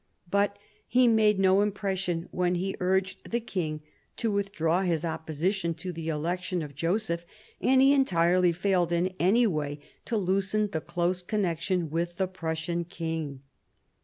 But he made no impression when he urged the king to withdraw his opposition to the election of Joseph, and he entirely failed in any way to loosen the close connection with the Prussian king.